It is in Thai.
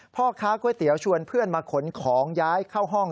พ่อค้าก๋วยเตี๋ยวชวนเพื่อนมาขนของย้ายเข้าห้อง